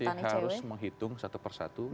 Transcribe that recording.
nah kita masih harus menghitung satu persatu